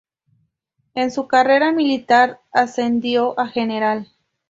En su carrera militar ascendió a general.